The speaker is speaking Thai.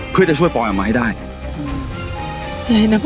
เพื่อจะช่วยปอยออกมาให้ได้อะไรนะพ่อ